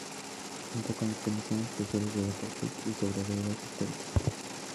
Junto con las comisiones especiales de Deportes; y sobre Deudas Históricas.